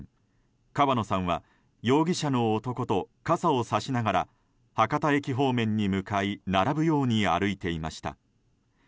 川野さんは容疑者の男と傘をさしながら博多駅方面に向かい並ぶように歩いていました。